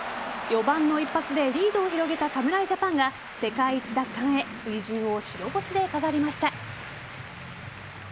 ４番の一発でリードを広げた侍ジャパンが世界一奪還へ初陣を白星で飾りました。